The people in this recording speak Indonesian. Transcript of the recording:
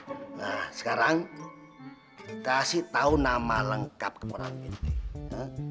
nah sekarang kita sih tahu nama lengkap keponangan ini teh